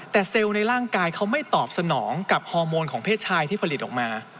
แต่เซลล์ในร่างกายเขาไม่ตอบสนองกับฮอร์โมนของเพศชายที่ผลิตออกมา